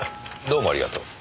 どうもありがとう。